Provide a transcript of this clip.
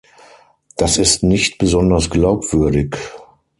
Das ist nicht besonders glaubwürdig.